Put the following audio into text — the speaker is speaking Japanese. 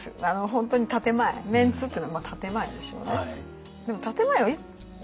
本当に建て前メンツっていうのは建て前でしょうね。